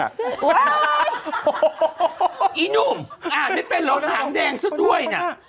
อ้าวไอ้หนุ่มอ่าไม่เป็นหางแดงเส้นด้วยน่ะ